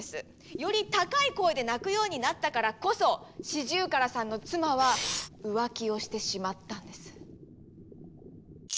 より高い声で鳴くようになったからこそシジュウカラさんの妻は浮気をしてしまったんです。